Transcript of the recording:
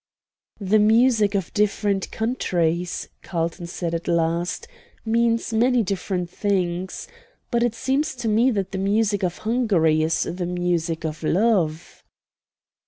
"The music of different countries," Carlton said at last, "means many different things. But it seems to me that the music of Hungary is the music of love."